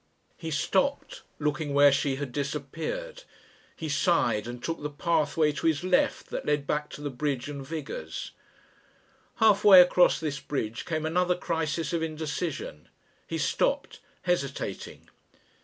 He stopped, looking where she had disappeared. He sighed and took the pathway to his left that led back to the bridge and Vigours'. Halfway across this bridge came another crisis of indecision. He stopped, hesitating.